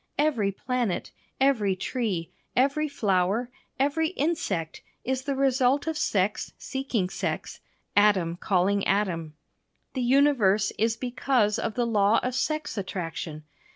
Every planet, every tree, every flower, every insect, is the result of sex seeking sex, atom calling atom. The universe is because of the law of sex attraction.